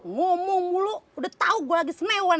ngomong mulu udah tau gue lagi semewan